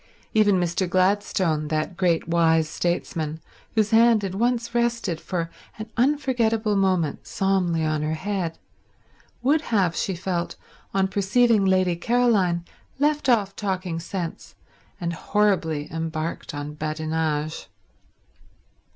Even Mr. Gladstone, that great wise statesman, whose hand had once rested for an unforgettable moment solemnly on her head, would have, she felt, on perceiving Lady Caroline left off talking sense and horribly embarked on badinage.